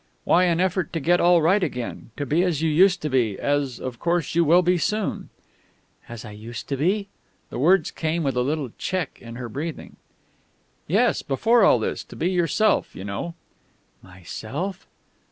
"Why, an effort to get all right again. To be as you used to be as, of course, you will be soon." "As I used to be?" The words came with a little check in her breathing. "Yes, before all this. To be yourself, you know." "Myself?"